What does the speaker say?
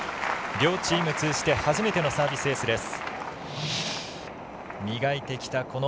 両チーム通じて初めてのサービスエースです。